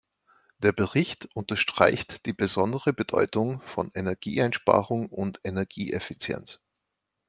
Der Bericht unterstreicht die besondere Bedeutung von Energieeinsparung und Energieeffizienz.